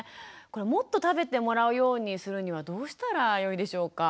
もっと食べてもらうようにするにはどうしたらよいでしょうか？